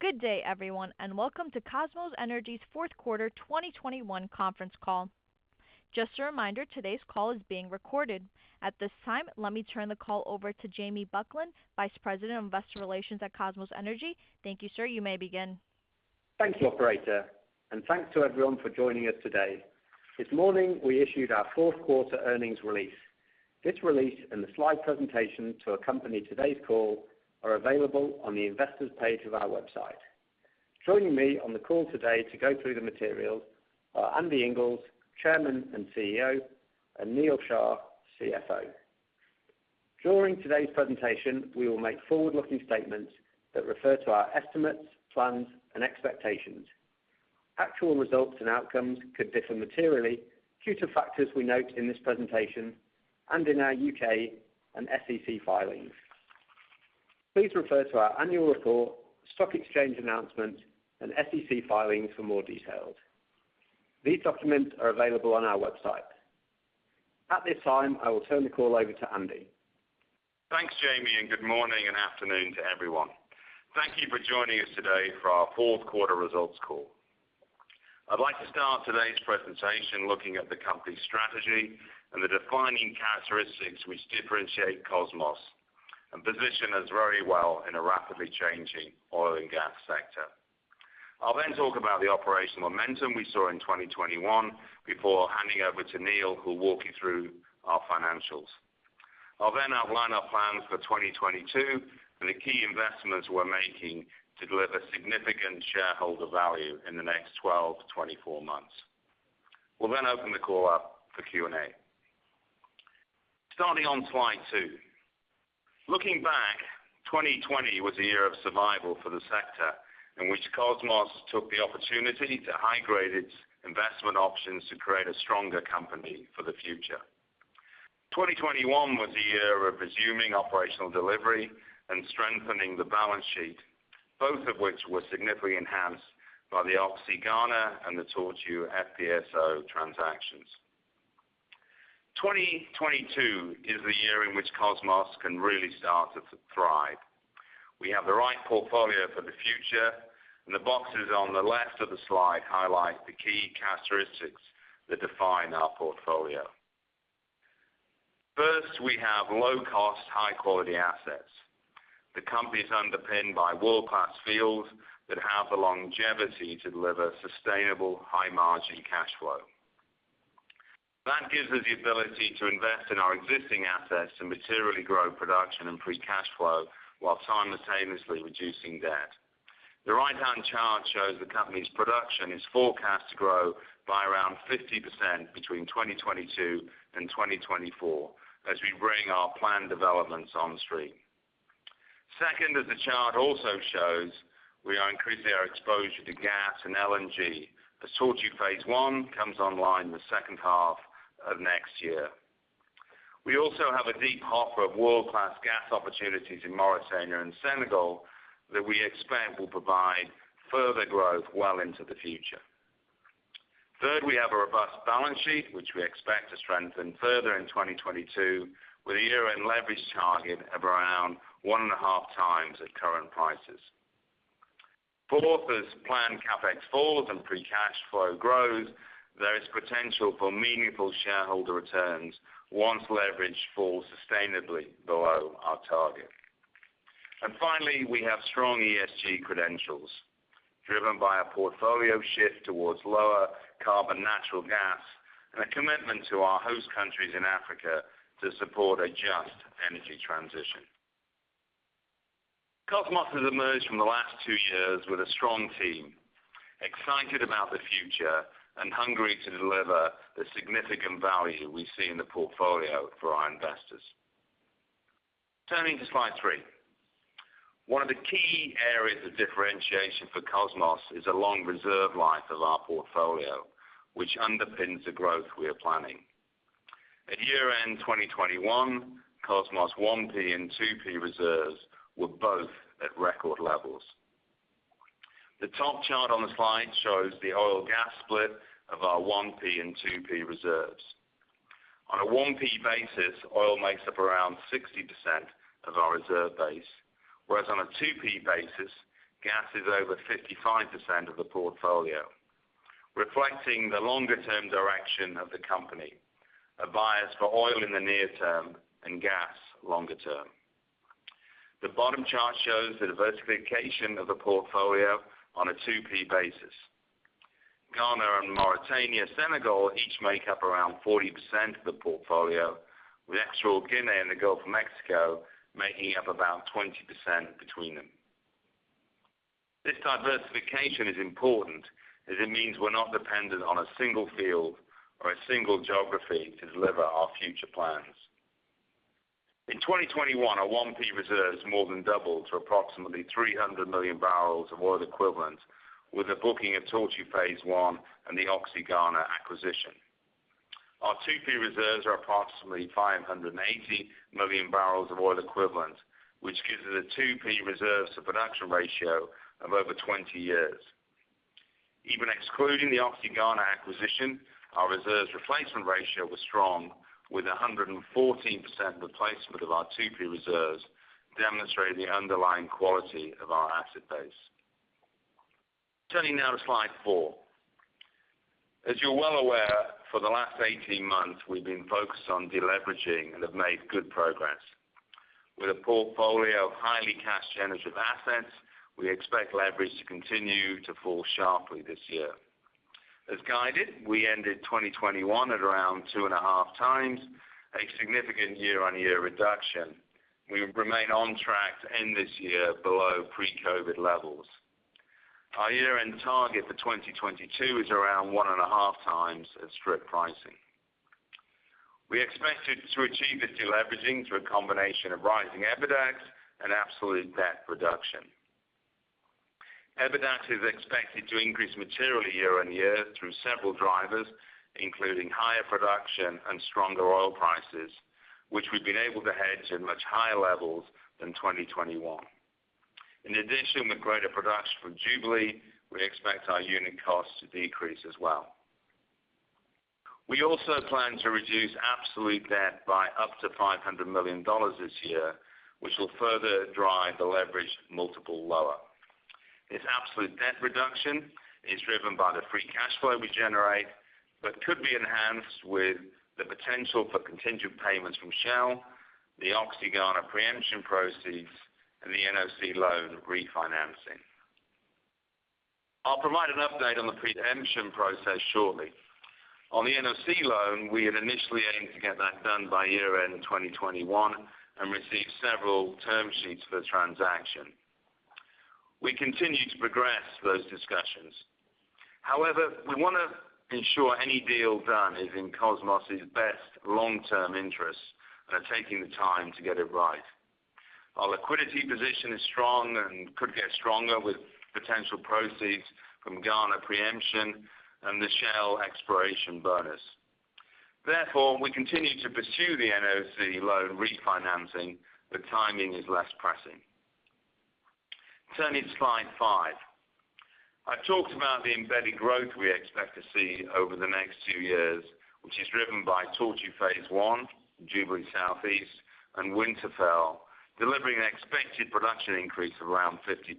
Good day, everyone, and welcome to Kosmos Energy's fourth quarter 2021 conference call. Just a reminder, today's call is being recorded. At this time, let me turn the call over to Jamie Buckland, Vice President of Investor Relations at Kosmos Energy. Thank you, sir. You may begin. Thanks, operator, and thanks to everyone for joining us today. This morning, we issued our fourth quarter earnings release. This release and the slide presentation to accompany today's call are available on the investor's page of our website. Joining me on the call today to go through the materials are Andy Inglis, Chairman and CEO, and Neal Shah, CFO. During today's presentation, we will make forward-looking statements that refer to our estimates, plans, and expectations. Actual results and outcomes could differ materially due to factors we note in this presentation and in our U.K. and SEC filings. Please refer to our annual report, stock exchange announcement, and SEC filings for more details. These documents are available on our website. At this time, I will turn the call over to Andy. Thanks, Jamie, and good morning and afternoon to everyone. Thank you for joining us today for our fourth quarter results call. I'd like to start today's presentation looking at the company's strategy and the defining characteristics which differentiate Kosmos and position us very well in a rapidly changing oil and gas sector. I'll then talk about the operational momentum we saw in 2020 before handing over to Neil, who'll walk you through our financials. I'll then outline our plans for 2022 and the key investments we're making to deliver significant shareholder value in the next 12-24 months. We'll then open the call up for Q&A. Starting on slide two. Looking back, 2020 was a year of survival for the sector in which Kosmos took the opportunity to high-grade its investment options to create a stronger company for the future. 2021 was a year of resuming operational delivery and strengthening the balance sheet, both of which were significantly enhanced by the Oxy Ghana and the Tortue FPSO transactions. 2022 is the year in which Kosmos can really start to thrive. We have the right portfolio for the future, and the boxes on the left of the slide highlight the key characteristics that define our portfolio. First, we have low-cost, high-quality assets. The company is underpinned by world-class fields that have the longevity to deliver sustainable high-margin cash flow. That gives us the ability to invest in our existing assets and materially grow production and free cash flow while simultaneously reducing debt. The right-hand chart shows the company's production is forecast to grow by around 50% between 2022 and 2024 as we bring our planned developments on stream. Second, as the chart also shows, we are increasing our exposure to gas and LNG. The Tortue phase one comes online in the second half of next year. We also have a deep offer of world-class gas opportunities in Mauritania and Senegal that we expect will provide further growth well into the future. Third, we have a robust balance sheet, which we expect to strengthen further in 2022 with a year-end leverage target of around 1.5x at current prices. Fourth, as planned CapEx falls and free cash flow grows, there is potential for meaningful shareholder returns once leverage falls sustainably below our target. Finally, we have strong ESG credentials driven by a portfolio shift towards lower carbon natural gas and a commitment to our host countries in Africa to support a just energy transition. Kosmos has emerged from the last two years with a strong team, excited about the future and hungry to deliver the significant value we see in the portfolio for our investors. Turning to slide three. One of the key areas of differentiation for Kosmos is the long reserve life of our portfolio, which underpins the growth we are planning. At year-end 2021, Kosmos 1P and 2P reserves were both at record levels. The top chart on the slide shows the oil gas split of our 1P and 2P reserves. On a 1P basis, oil makes up around 60% of our reserve base, whereas on a 2P basis, gas is over 55% of the portfolio, reflecting the longer-term direction of the company, a bias for oil in the near term and gas longer term. The bottom chart shows the diversification of the portfolio on a 2P basis. Ghana, Mauritania, and Senegal each make up around 40% of the portfolio, with Equatorial Guinea and the Gulf of Mexico making up about 20% between them. This diversification is important as it means we're not dependent on a single field or a single geography to deliver our future plans. In 2021, our 1P reserves have more than doubled to approximately 300 million bbl of oil equivalent with the booking of Tortue phase one and the Oxy Ghana acquisition. Our 2P reserves are approximately 580 million bbl of oil equivalent, which gives us a 2P reserves to production ratio of over 20 years. Even excluding the Oxy Ghana acquisition, our reserves replacement ratio was strong with a 114% replacement of our 2P reserves, demonstrating the underlying quality of our asset base. Turning now to slide four. As you're well aware, for the last 18 months we've been focused on de-leveraging and have made good progress. With a portfolio of highly cash generative assets, we expect leverage to continue to fall sharply this year. As guided, we ended 2021 at around 2.5x, a significant year-on-year reduction. We remain on track to end this year below pre-COVID levels. Our year-end target for 2022 is around 1.5x at strip pricing. We expected to achieve this de-leveraging through a combination of rising EBITDAX and absolute debt reduction. EBITDAX is expected to increase materially year-on-year through several drivers, including higher production and stronger oil prices, which we've been able to hedge at much higher levels than 2021. In addition, with greater production from Jubilee, we expect our unit costs to decrease as well. We also plan to reduce absolute debt by up to $500 million this year, which will further drive the leverage multiple lower. This absolute debt reduction is driven by the free cash flow we generate, but could be enhanced with the potential for contingent payments from Shell, the Oxy Ghana preemption proceeds, and the NOC loan refinancing. I'll provide an update on the preemption process shortly. On the NOC loan, we had initially aimed to get that done by year-end 2021 and received several term sheets for the transaction. We continue to progress those discussions. However, we wanna ensure any deal done is in Kosmos' best long-term interests and are taking the time to get it right. Our liquidity position is strong and could get stronger with potential proceeds from Ghana preemption and the Shell exploration bonus. Therefore, we continue to pursue the NOC loan refinancing, but timing is less pressing. Turning to slide five. I've talked about the embedded growth we expect to see over the next two years, which is driven by Tortue phase one, Jubilee Southeast, and Winterfell, delivering an expected production increase of around 50%.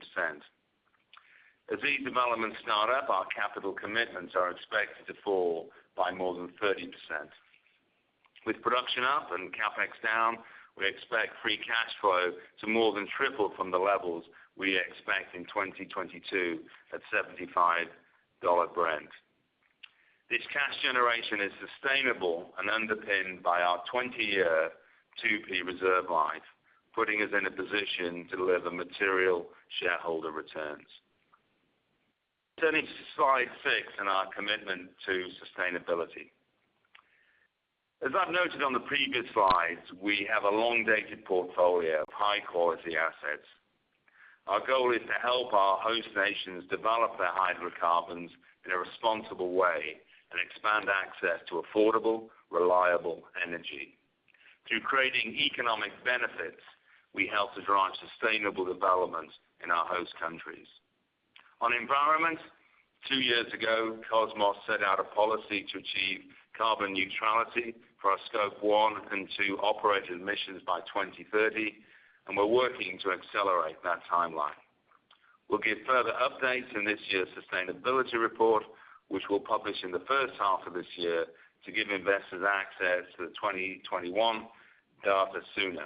As these developments start up, our capital commitments are expected to fall by more than 30%. With production up and CapEx down, we expect free cash flow to more than triple from the levels we expect in 2022 at $75 Brent. This cash generation is sustainable and underpinned by our 20-year 2P reserve life, putting us in a position to deliver material shareholder returns. Turning to slide six and our commitment to sustainability. As I've noted on the previous slides, we have a long-dated portfolio of high-quality assets. Our goal is to help our host nations develop their hydrocarbons in a responsible way and expand access to affordable, reliable energy. Through creating economic benefits, we help to drive sustainable development in our host countries. On environment, two years ago, Kosmos set out a policy to achieve carbon neutrality for our Scope 1 and 2 operated emissions by 2030, and we're working to accelerate that timeline. We'll give further updates in this year's sustainability report, which we'll publish in the first half of this year to give investors access to the 2021 data sooner.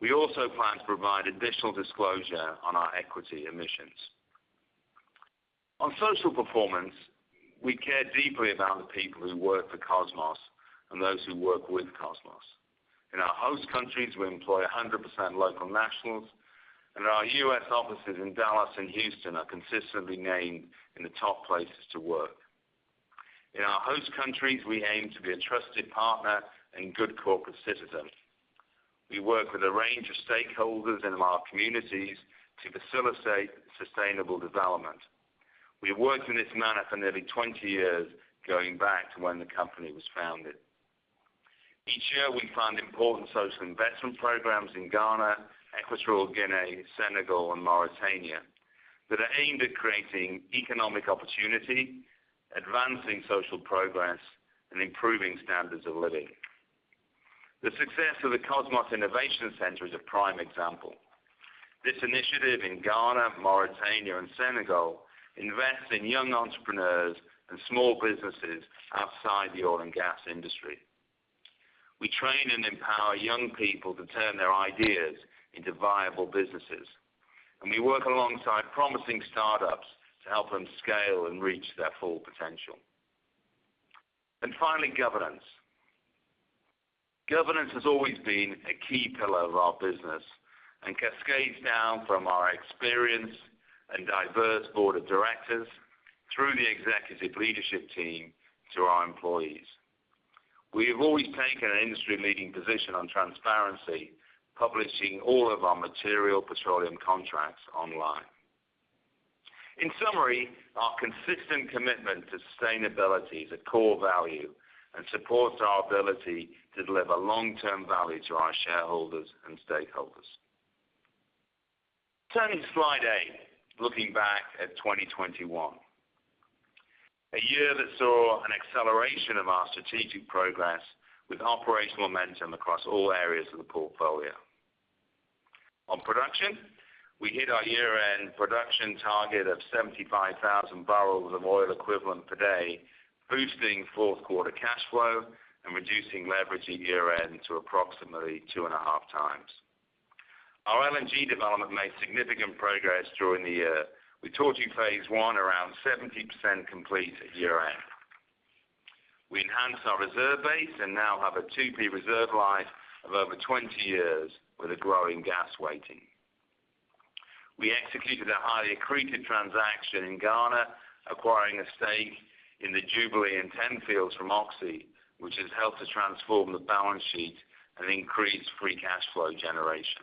We also plan to provide additional disclosure on our equity emissions. On social performance, we care deeply about the people who work for Kosmos and those who work with Kosmos. In our host countries, we employ 100% local nationals, and our U.S. offices in Dallas and Houston are consistently named in the top places to work. In our host countries, we aim to be a trusted partner and good corporate citizen. We work with a range of stakeholders in our communities to facilitate sustainable development. We have worked in this manner for nearly 20 years, going back to when the company was founded. Each year, we fund important social investment programs in Ghana, Equatorial Guinea, Senegal, and Mauritania that are aimed at creating economic opportunity, advancing social progress, and improving standards of living. The success of the Kosmos Innovation Center is a prime example. This initiative in Ghana, Mauritania, and Senegal invests in young entrepreneurs and small businesses outside the oil and gas industry. We train and empower young people to turn their ideas into viable businesses, and we work alongside promising startups to help them scale and reach their full potential. Finally, governance. Governance has always been a key pillar of our business and cascades down from our experienced and diverse board of directors through the executive leadership team to our employees. We have always taken an industry-leading position on transparency, publishing all of our material petroleum contracts online. In summary, our consistent commitment to sustainability is a core value and supports our ability to deliver long-term value to our shareholders and stakeholders. Turning to slide eight, looking back at 2021. A year that saw an acceleration of our strategic progress with operational momentum across all areas of the portfolio. On production, we hit our year-end production target of 75,000 bbl of oil equivalent per day, boosting fourth quarter cash flow and reducing leverage at year-end to approximately 2.5x. Our LNG development made significant progress during the year. With Tortue phase one around 70% complete at year-end. We enhanced our reserve base and now have a 2P reserve life of over 20 years with a growing gas weighting. We executed a highly accretive transaction in Ghana, acquiring a stake in the Jubilee and TEN fields from Oxy, which has helped to transform the balance sheet and increase free cash flow generation.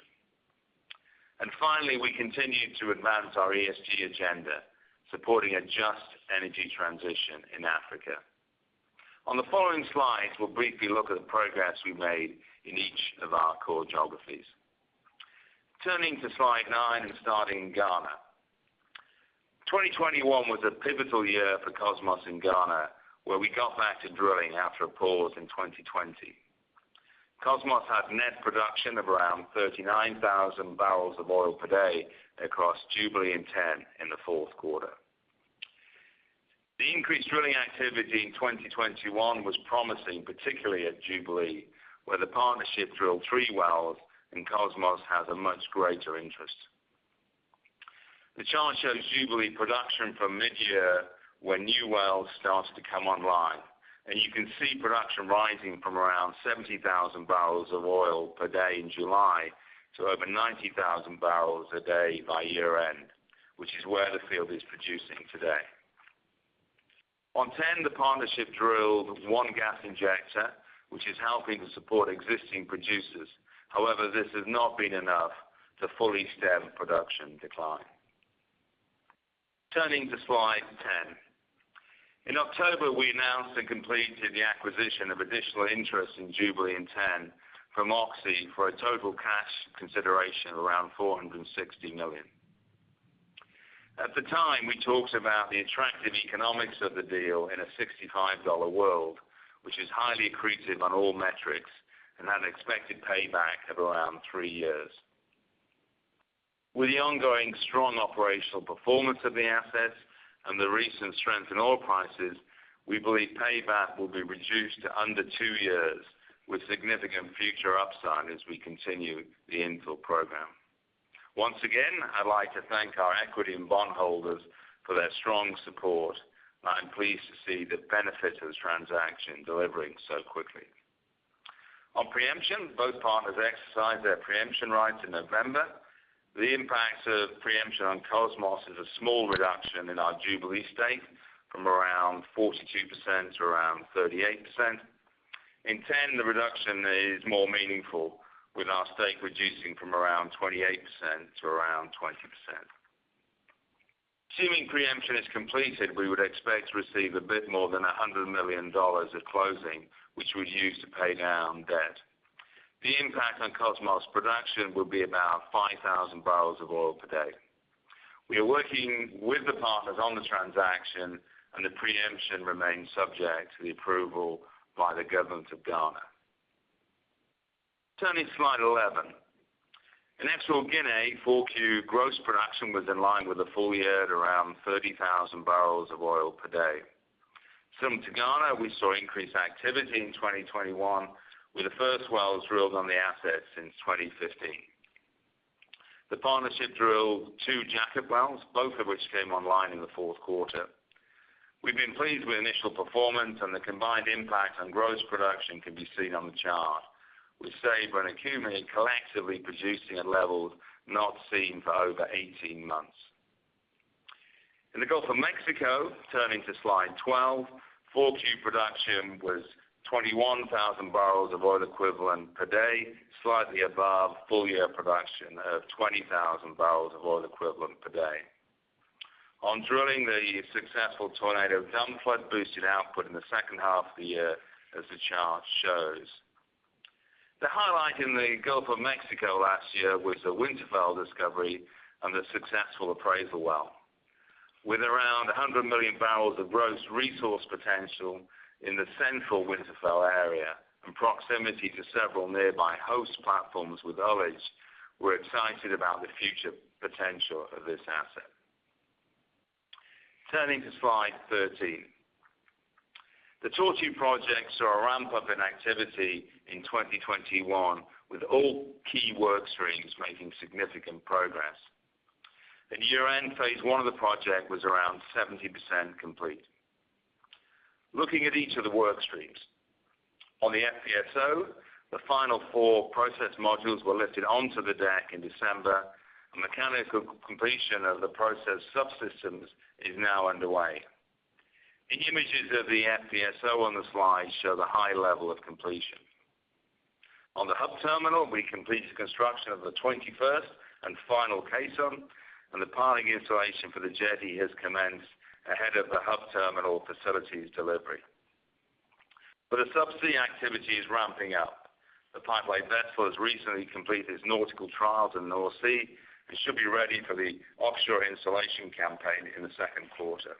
Finally, we continued to advance our ESG agenda, supporting a just energy transition in Africa. On the following slides, we'll briefly look at the progress we made in each of our core geographies. Turning to slide nine and starting in Ghana. 2021 was a pivotal year for Kosmos in Ghana, where we got back to drilling after a pause in 2020. Kosmos had net production of around 39,000 bbl of oil per day across Jubilee and TEN in the fourth quarter. The increased drilling activity in 2021 was promising, particularly at Jubilee, where the partnership drilled three wells and Kosmos has a much greater interest. The chart shows Jubilee production from mid-year when new wells started to come online, and you can see production rising from around 70,000 bbl of oil per day in July to over 90,000 bbl a day by year-end, which is where the field is producing today. On TEN, the partnership drilled one gas injector, which is helping to support existing producers. However, this has not been enough to fully stem production decline. Turning to slide 10. In October, we announced and completed the acquisition of additional interest in Jubilee and TEN from Oxy for a total cash consideration of around $460 million. At the time, we talked about the attractive economics of the deal in a $65 world, which is highly accretive on all metrics and had an expected payback of around three years. With the ongoing strong operational performance of the assets and the recent strength in oil prices, we believe payback will be reduced to under two years with significant future upside as we continue the infill program. Once again, I'd like to thank our equity and bond holders for their strong support. I'm pleased to see the benefit of this transaction delivering so quickly. On preemption, both partners exercised their preemption rights in November. The impact of preemption on Kosmos is a small reduction in our Jubilee stake from around 42% to around 38%. In TEN, the reduction is more meaningful, with our stake reducing from around 28% to around 20%. Assuming preemption is completed, we would expect to receive a bit more than $100 million at closing, which we'll use to pay down debt. The impact on Kosmos production will be about 5,000 bbl of oil per day. We are working with the partners on the transaction, and the preemption remains subject to the approval by the government of Ghana. Turning to slide 11. In Equatorial Guinea, 4Q gross production was in line with the full year at around 30,000 bbl of oil per day. Similar to Ghana, we saw increased activity in 2021, with the first wells drilled on the asset since 2015. The partnership drilled two jacket wells, both of which came online in the fourth quarter. We've been pleased with initial performance and the combined impact on gross production can be seen on the chart, with Ceiba and Okume collectively producing at levels not seen for over 18 months. In the Gulf of Mexico, turning to slide 12, Q4 production was 21,000 bbl of oil equivalent per day, slightly above full-year production of 20,000 bbl of oil equivalent per day. On drilling, the successful Tornado dump flood boosted output in the second half of the year as the chart shows. The highlight in the Gulf of Mexico last year was the Winterfell discovery and the successful appraisal well. With around 100 million bbl of gross resource potential in the central Winterfell area and proximity to several nearby host platforms with ullage, we're excited about the future potential of this asset. Turning to slide 13. The Tortue projects saw a ramp-up in activity in 2021, with all key work streams making significant progress. At year-end, phase one of the project was around 70% complete. Looking at each of the work streams. On the FPSO, the final four process modules were lifted onto the deck in December, and mechanical completion of the process subsystems is now underway. The images of the FPSO on the slide show the high level of completion. On the hub terminal, we completed construction of the 21st and final caisson, and the piling installation for the jetty has commenced ahead of the hub terminal facilities delivery. The subsea activity is ramping up. The pipe lay vessel has recently completed its nautical trials in the North Sea and should be ready for the offshore installation campaign in the second quarter.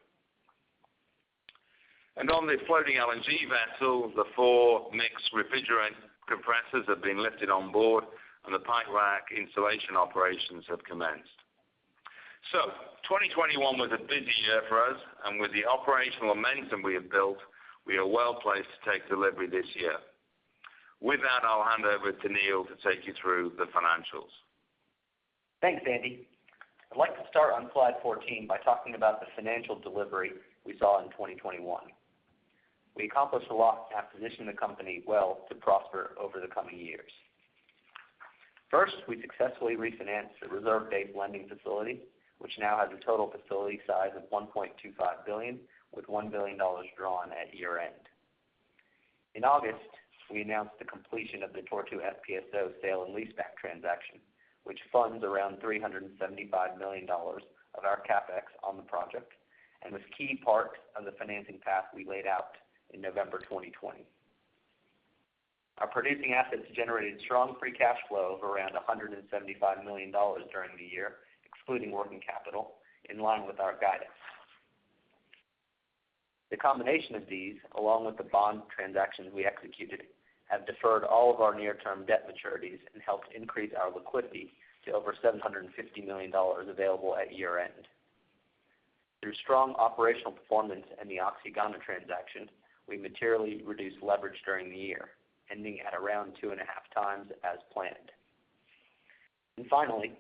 On the floating LNG vessel, the four mixed refrigerant compressors have been lifted on board and the pipe rack installation operations have commenced. 2021 was a busy year for us, and with the operational momentum we have built, we are well-placed to take delivery this year. With that, I'll hand over to Neal to take you through the financials. Thanks, Andy. I'd like to start on slide 14 by talking about the financial delivery we saw in 2021. We accomplished a lot and have positioned the company well to prosper over the coming years. First, we successfully refinanced the reserve-based lending facility, which now has a total facility size of $1.25 billion, with $1 billion drawn at year-end. In August, we announced the completion of the Tortue FPSO sale and leaseback transaction, which funds around $375 million of our CapEx on the project and was key part of the financing path we laid out in November 2020. Our producing assets generated strong free cash flow of around $175 million during the year, excluding working capital in line with our guidance. The combination of these, along with the bond transactions we executed, have deferred all of our near-term debt maturities and helped increase our liquidity to over $750 million available at year-end. Through strong operational performance and the Oxy Ghana transaction, we materially reduced leverage during the year, ending at around 2.5x as planned. Finally,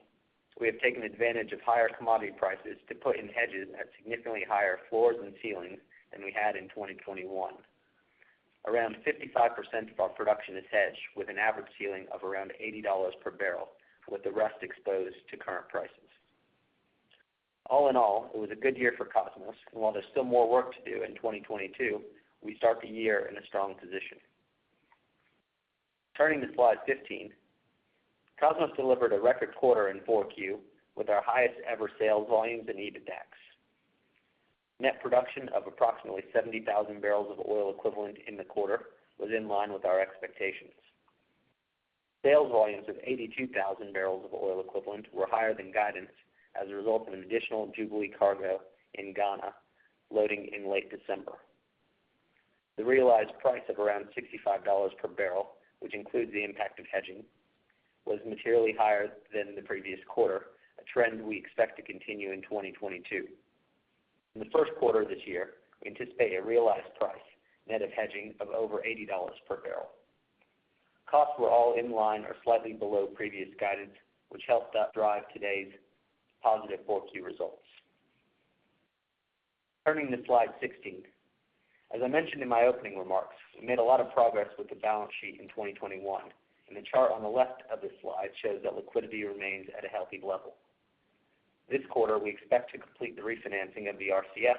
we have taken advantage of higher commodity prices to put in hedges at significantly higher floors and ceilings than we had in 2021. Around 55% of our production is hedged with an average ceiling of around $80 per barrel, with the rest exposed to current prices. All in all, it was a good year for Kosmos, and while there's still more work to do in 2022, we start the year in a strong position. Turning to slide 15, Kosmos delivered a record quarter in Q4 with our highest ever sales volumes and EBITDAX. Net production of approximately 70,000 bbl of oil equivalent in the quarter was in line with our expectations. Sales volumes of 82,000 bbl of oil equivalent were higher than guidance as a result of an additional Jubilee cargo in Ghana loading in late December. The realized price of around $65 per barrel, which includes the impact of hedging, was materially higher than the previous quarter, a trend we expect to continue in 2022. In the first quarter of this year, we anticipate a realized price net of hedging of over $80 per barrel. Costs were all in line or slightly below previous guidance, which helped drive today's positive Q4 results. Turning to slide 16. As I mentioned in my opening remarks, we made a lot of progress with the balance sheet in 2021, and the chart on the left of this slide shows that liquidity remains at a healthy level. This quarter, we expect to complete the refinancing of the RCF,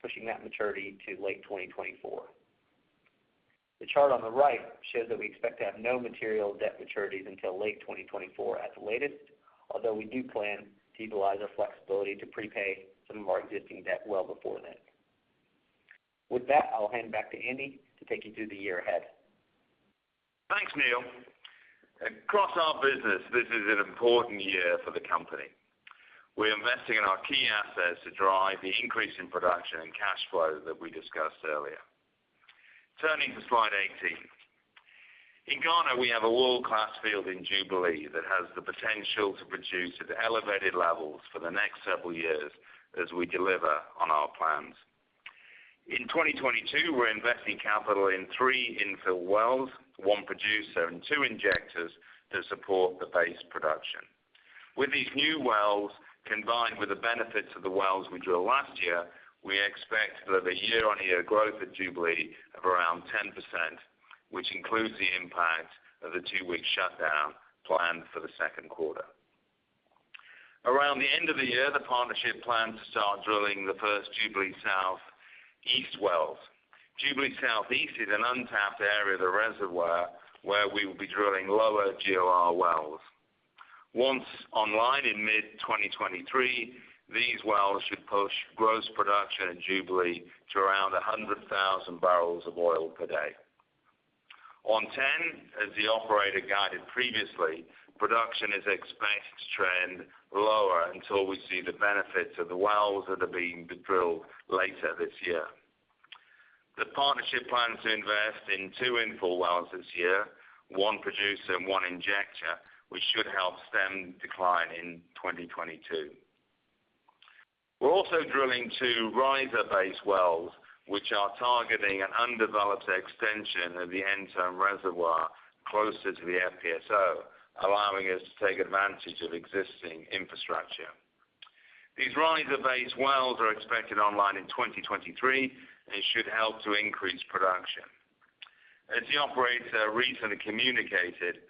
pushing that maturity to late 2024. The chart on the right shows that we expect to have no material debt maturities until late 2024 at the latest, although we do plan to utilize our flexibility to prepay some of our existing debt well before then. With that, I'll hand back to Andy to take you through the year ahead. Thanks, Neal. Across our business, this is an important year for the company. We're investing in our key assets to drive the increase in production and cash flow that we discussed earlier. Turning to slide 18. In Ghana, we have a world-class field in Jubilee that has the potential to produce at elevated levels for the next several years as we deliver on our plans. In 2022, we're investing capital in three infill wells, one producer, and two injectors to support the base production. With these new wells, combined with the benefits of the wells we drilled last year, we expect to have a year-on-year growth at Jubilee of around 10%, which includes the impact of the two-week shutdown planned for the second quarter. Around the end of the year, the partnership plans to start drilling the first Jubilee Southeast wells. Jubilee Southeast is an untapped area of the reservoir where we will be drilling lower GOR wells. Once online in mid-2023, these wells should push gross production in Jubilee to around 100,000 bbl of oil per day. On TEN, as the operator guided previously, production is expected to trend lower until we see the benefits of the wells that are being drilled later this year. The partnership plans to invest in two infill wells this year, one producer and one injector, which should help stem decline in 2022. We're also drilling tworiser-based wells, which are targeting an undeveloped extension of the Ntomme reservoir closer to the FPSO, allowing us to take advantage of existing infrastructure. These riser-based wells are expected online in 2023 and should help to increase production. As the operator recently communicated,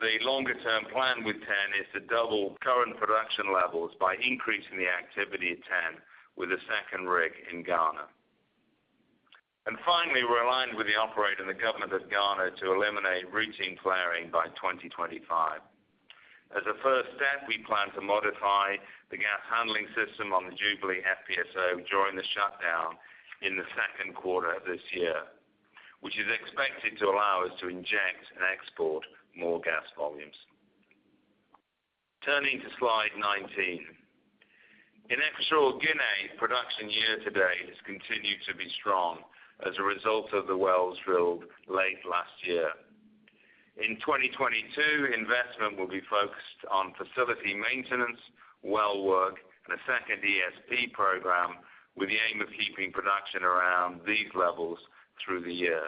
the longer-term plan with TEN is to double current production levels by increasing the activity at TEN with a second rig in Ghana. Finally, we're aligned with the operator and the government of Ghana to eliminate routine flaring by 2025. As a first step, we plan to modify the gas handling system on the Jubilee FPSO during the shutdown in the second quarter of this year, which is expected to allow us to inject and export more gas volumes. Turning to slide 19. In Equatorial Guinea, production year-to-date has continued to be strong as a result of the wells drilled late last year. In 2022, investment will be focused on facility maintenance, well work, and a second ESP program with the aim of keeping production around these levels through the year.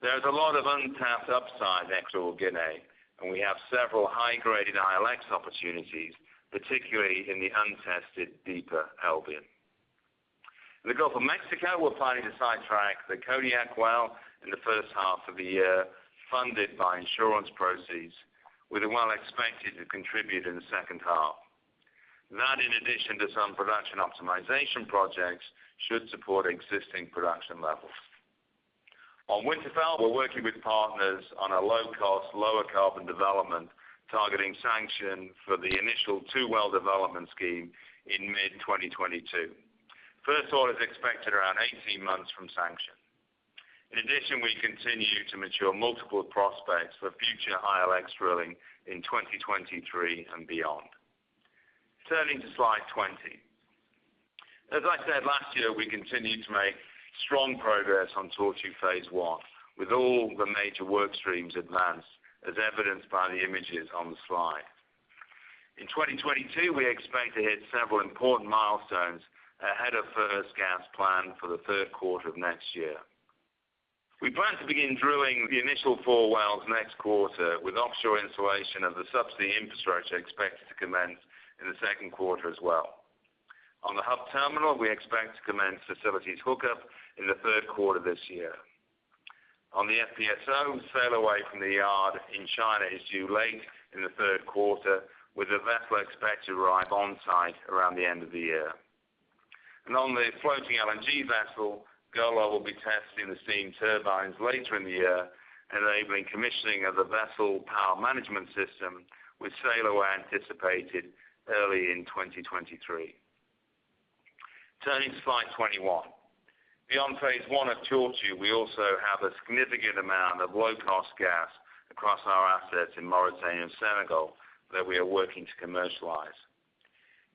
There's a lot of untapped upside in Equatorial Guinea, and we have several high-graded ILX opportunities, particularly in the untested deeper Albian. In the Gulf of Mexico, we're planning to sidetrack the Kodiak well in the first half of the year, funded by insurance proceeds, with the well expected to contribute in the second half. That, in addition to some production optimization projects, should support existing production levels. On Winterfell, we're working with partners on a low-cost, lower-carbon development targeting sanction for the initial two-well development scheme in mid-2022. First oil is expected around 18 months from sanction. In addition, we continue to mature multiple prospects for future ILX drilling in 2023 and beyond. Turning to slide 20. As I said last year, we continued to make strong progress on Tortue phase one, with all the major work streams advanced, as evidenced by the images on the slide. In 2022, we expect to hit several important milestones ahead of first gas planned for the third quarter of next year. We plan to begin drilling the initial four wells next quarter, with offshore installation of the subsea infrastructure expected to commence in the second quarter as well. On the hub terminal, we expect to commence facilities hookup in the third quarter this year. On the FPSO, sail away from the yard in China is due late in the third quarter, with the vessel expected to arrive on-site around the end of the year. On the floating LNG vessel, Golar will be testing the steam turbines later in the year, enabling commissioning of the vessel power management system, with sail away anticipated early in 2023. Turning to slide 21. Beyond phase one of Tortue, we also have a significant amount of low-cost gas across our assets in Mauritania and Senegal that we are working to commercialize.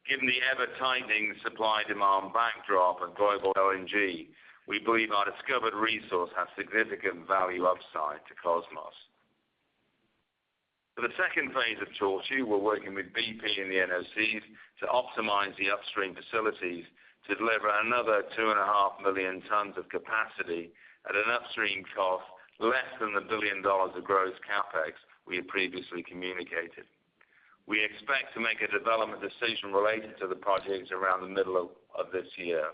Given the ever-tightening supply-demand backdrop of global LNG, we believe our discovered resource has significant value upside to Kosmos. For the second phase of Tortue, we're working with BP and the NOCs to optimize the upstream facilities to deliver another 2.5 million tons of capacity at an upstream cost less than $1 billion of gross CapEx we had previously communicated. We expect to make a development decision related to the project around the middle of this year.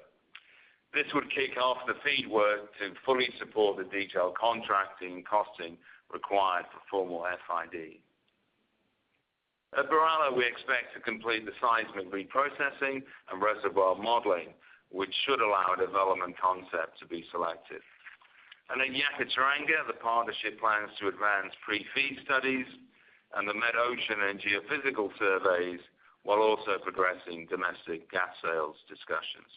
This would kick off the FEED work to fully support the detailed contracting and costing required for formal FID. At BirAllah, we expect to complete the seismic reprocessing and reservoir modeling, which should allow a development concept to be selected. At Yakaar-Teranga, the partnership plans to advance pre-FEED studies and the metocean and geophysical surveys while also progressing domestic gas sales discussions.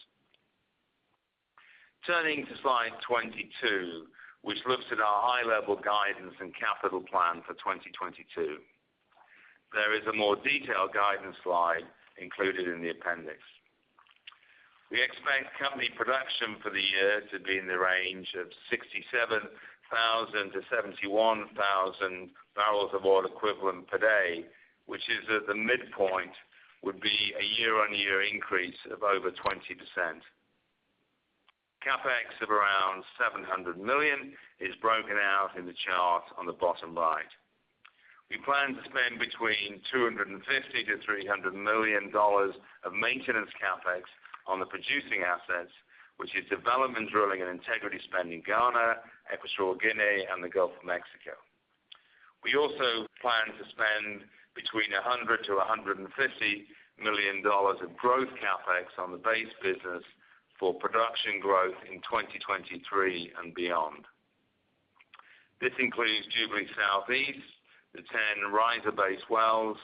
Turning to slide 22, which looks at our high-level guidance and capital plan for 2022. There is a more detailed guidance slide included in the appendix. We expect company production for the year to be in the range of 67,000-71,000 bbl of oil equivalent per day, which is at the midpoint would be a year-on-year increase of over 20%. CapEx of around $700 million is broken out in the chart on the bottom right. We plan to spend between $250 million-$300 million of maintenance CapEx on the producing assets, which is development drilling and integrity spend in Ghana, Equatorial Guinea, and the Gulf of Mexico. We plan to spend between $100 million-$150 million of growth CapEx on the base business for production growth in 2023 and beyond. This includes Jubilee Southeast, the TEN riser-based wells,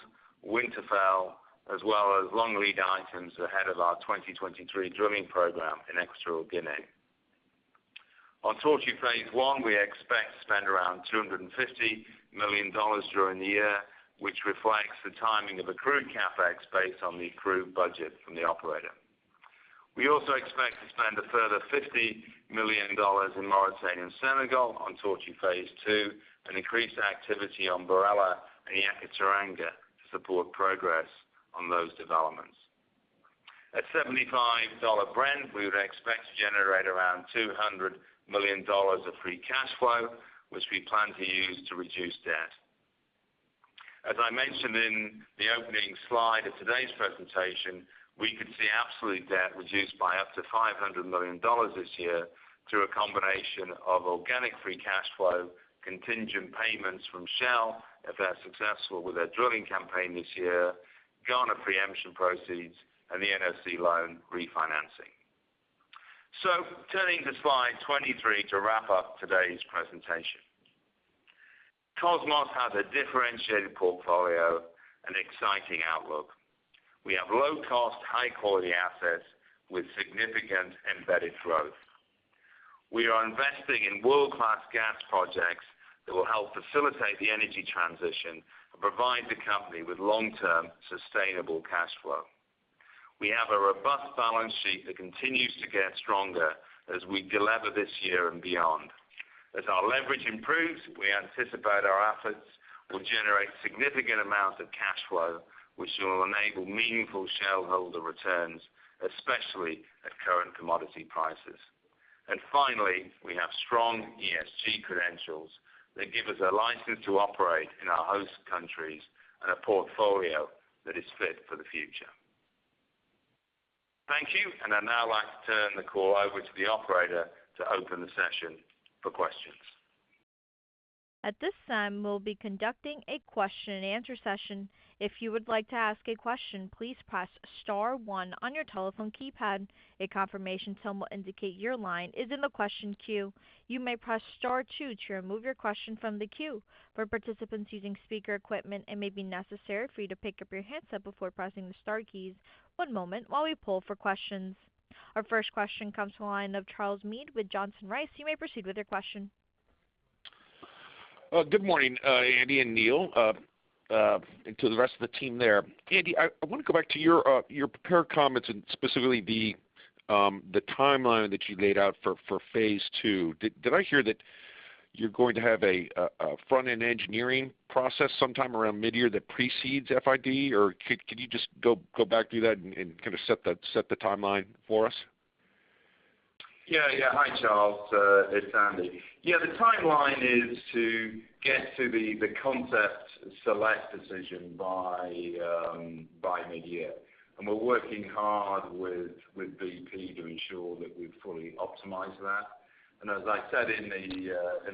Winterfell, as well as long-lead items ahead of our 2023 drilling program in Equatorial Guinea. On Tortue phase one, we expect to spend around $250 million during the year, which reflects the timing of accrued CapEx based on the accrued budget from the operator. We also expect to spend a further $50 million in Mauritania and Senegal on Tortue phase two, and increase activity on BirAllah and Yakaar-Teranga to support progress on those developments. At $75 Brent, we would expect to generate around $200 million of free cash flow, which we plan to use to reduce debt. As I mentioned in the opening slide of today's presentation, we could see absolute debt reduced by up to $500 million this year through a combination of organic free cash flow, contingent payments from Shell if they're successful with their drilling campaign this year, Ghana preemption proceeds, and the NOC loan refinancing. Turning to slide 23 to wrap up today's presentation. Kosmos has a differentiated portfolio and exciting outlook. We have low cost, high quality assets with significant embedded growth. We are investing in world-class gas projects that will help facilitate the energy transition and provide the company with long-term sustainable cash flow. We have a robust balance sheet that continues to get stronger as we delever this year and beyond. As our leverage improves, we anticipate our efforts will generate significant amounts of cash flow, which will enable meaningful shareholder returns, especially at current commodity prices. Finally, we have strong ESG credentials that give us a license to operate in our host countries and a portfolio that is fit for the future. Thank you. I'd now like to turn the call over to the operator to open the session for questions. At this time, we'll be conducting a question-and-answer session. If you would like to ask a question, please press star one on your telephone keypad. A confirmation tone will indicate your line is in the question queue. You may press star two to remove your question from the queue. For participants using speaker equipment, it may be necessary for you to pick up your handset before before pressing the star key. One moment while we poll for questions. Our first question comes from the line of Charles Meade with Johnson Rice. You may proceed with your question. Good morning, Andy and Neal, and to the rest of the team there. Andy, I wanna go back to your prepared comments and specifically the timeline that you laid out for phase two. Did I hear that you're going to have a front-end engineering process sometime around mid-year that precedes FID? Or could you just go back through that and kinda set the timeline for us? Yeah. Hi, Charles, it's Andy. Yeah, the timeline is to get to the concept select decision by mid-year. We're working hard with BP to ensure that we've fully optimized that. As I said in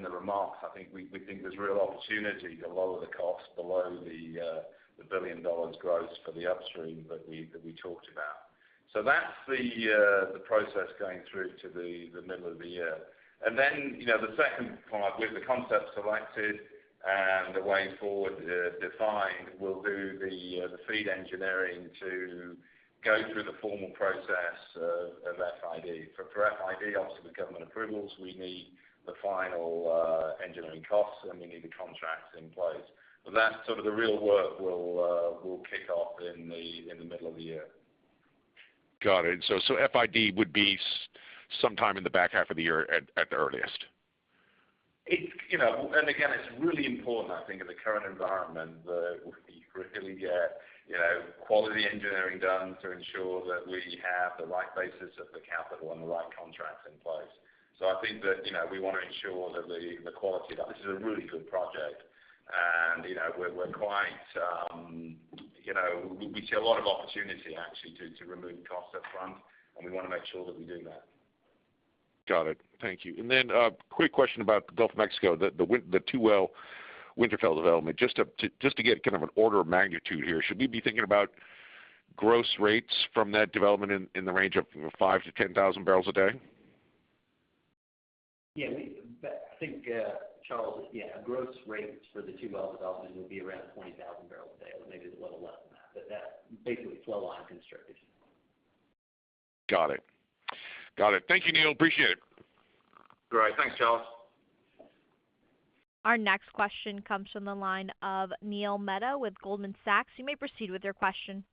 the remarks, I think we think there's real opportunity to lower the cost below the $1 billion gross for the upstream that we talked about. That's the process going through to the middle of the year. Then, you know, the second part with the concept selected and the way forward defined, we'll do the FEED engineering to go through the formal process of FID. For FID, obviously with government approvals, we need the final engineering costs, and we need the contracts in place. That's sort of the real work will kick off in the middle of the year. Got it. FID would be sometime in the back half of the year at the earliest? It's, you know, again, it's really important, I think, in the current environment that we really get, you know, quality engineering done to ensure that we have the right basis of the capital and the right contracts in place. So I think that, you know, we wanna ensure that the quality of that. This is a really good project. You know, we're quite, you know, we see a lot of opportunity actually to remove costs up front, and we wanna make sure that we do that. Got it. Thank you. Quick question about the Gulf of Mexico. The two-well Winterfell development. Just to get kind of an order of magnitude here, should we be thinking about gross rates from that development in the range of 5,000-10,000 bbl a day? I think, Charles, gross rates for the two well development will be around 20,000 bbl a day or maybe a little less than that. That basically flow on [construction]. Got it. Thank you, Neal. Appreciate it. All right. Thanks, Charles. Our next question comes from the line of Neil Mehta with Goldman Sachs. You may proceed with your question.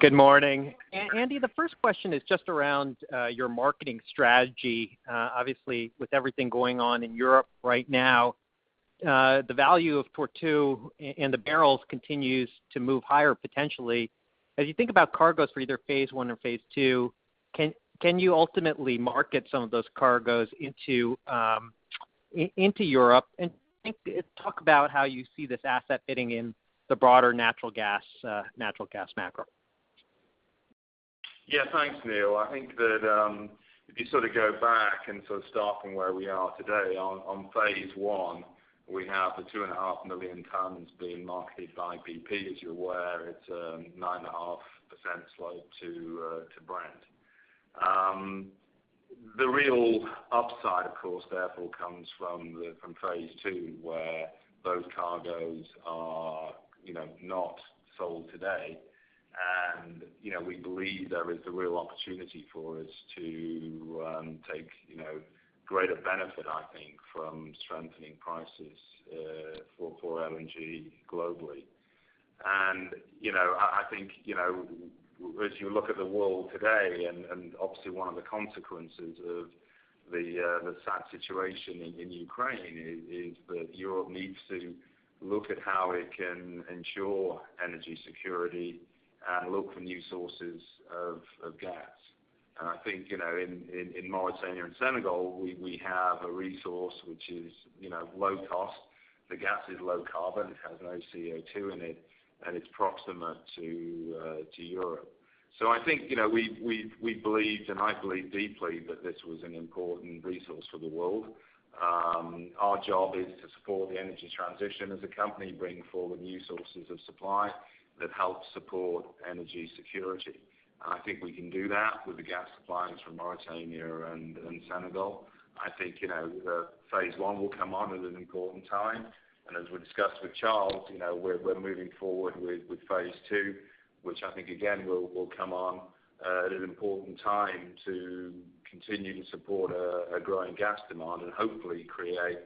Good morning. Andy, the first question is just around your marketing strategy. Obviously, with everything going on in Europe right now, the value of Tortue and the barrels continues to move higher potentially. As you think about cargoes for either phase one or phase two, can you ultimately market some of those cargoes into Europe? Talk about how you see this asset fitting in the broader natural gas macro. Yeah. Thanks, Neil. I think that if you sort of go back and sort of starting where we are today on phase one, we have the 2.5 million tons being marketed by BP. As you're aware, it's 9.5% slope to Brent. The real upside, of course, therefore comes from phase two, where those cargoes are, you know, not sold today. You know, we believe there is the real opportunity for us to take, you know, greater benefit, I think, from strengthening prices for LNG globally. You know, I think, you know, as you look at the world today and obviously one of the consequences of the sad situation in Ukraine is that Europe needs to look at how it can ensure energy security and look for new sources of gas. I think, you know, in Mauritania and Senegal, we have a resource which is, you know, low cost. The gas is low carbon, it has no CO2 in it, and it's proximate to Europe. I think, you know, we believed, and I believe deeply that this was an important resource for the world. Our job is to support the energy transition as a company, bring forward new sources of supply that help support energy security. I think we can do that with the gas supplies from Mauritania and Senegal. I think, you know, the phase one will come on at an important time. As we discussed with Charles, you know, we're moving forward with phase two, which I think again, will come on at an important time to continue to support a growing gas demand and hopefully create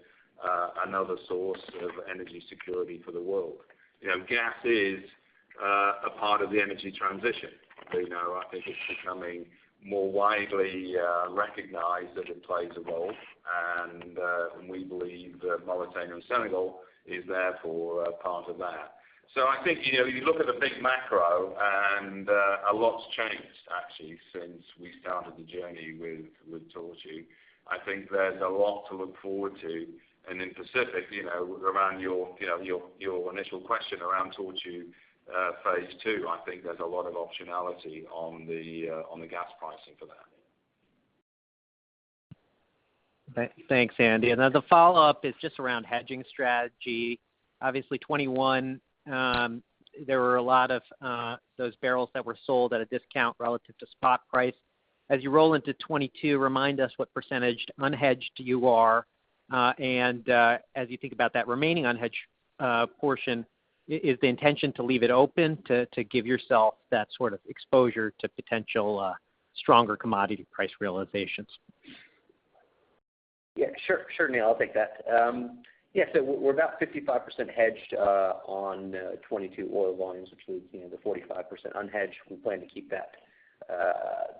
another source of energy security for the world. You know, gas is a part of the energy transition. You know, I think it's becoming more widely recognized that it plays a role, and we believe that Mauritania and Senegal is therefore a part of that. I think, you know, you look at the big macro and a lot's changed actually since we started the journey with Tortue. I think there's a lot to look forward to. In specific, you know, around your initial question around Tortue phase two, I think there's a lot of optionality on the gas pricing for that. Thanks, Andy. The follow-up is just around hedging strategy. Obviously 2021, there were a lot of those barrels that were sold at a discount relative to spot price. As you roll into 2022, remind us what percentage unhedged you are. As you think about that remaining unhedged portion, is the intention to leave it open to give yourself that sort of exposure to potential stronger commodity price realizations? Yeah, sure. Sure, Neil, I'll take that. Yeah, so we're about 55% hedged on 2022 oil volumes, which leaves, you know, the 45% unhedged. We plan to keep that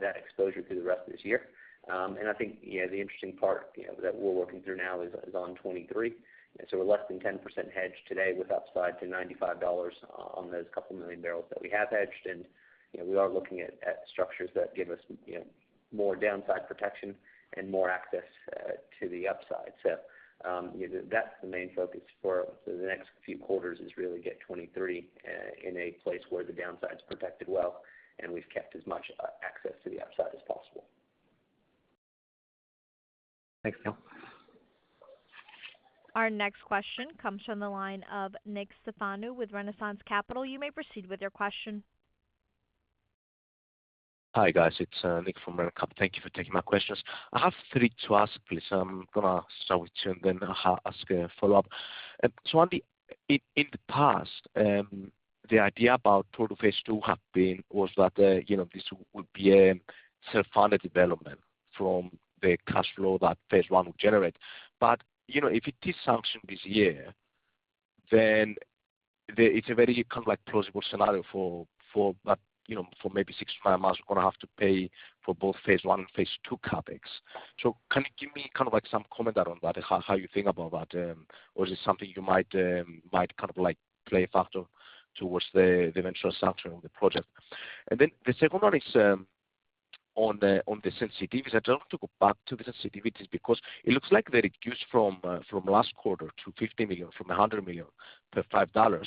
exposure through the rest of this year. I think you know the interesting part that we're working through now is on 2023. We're less than 10% hedged today with upside to $95 on those couple million barrels that we have hedged. You know we are looking at structures that give us you know more downside protection and more access to the upside. That's the main focus for the next few quarters, is really get 2023 in a place where the downside's protected well, and we've kept as much access to the upside as possible. Thanks, Neal. Our next question comes from the line of Nick Stefanou with Renaissance Capital. You may proceed with your question. Hi, guys. It's Nick from Ren Cap. Thank you for taking my questions. I have three to ask, please. I'm gonna start with two and then ask a follow-up. Andy, in the past, the idea about Tortue phase two was that, you know, this would be a self-funded development from the cash flow that phase one would generate. You know, if it did sanction this year, then it's a very kind of like plausible scenario for that, you know, for maybe six-nine months, we're gonna have to pay for both phase one and phase two CapEx. Can you give me kind of like some comment around that, how you think about that? Or is it something you might kind of like play a factor towards the eventual sanction of the project? The second one is on the sensitivities. I'd like to go back to the sensitivities because it looks like they reduced from last quarter to $50 million from $100 million per $5.